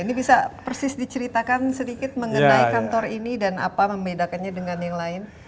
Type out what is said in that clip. ini bisa persis diceritakan sedikit mengenai kantor ini dan apa membedakannya dengan yang lain